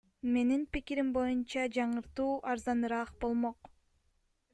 Менин пикирим боюнча, жаңыртуу арзаныраак болмок.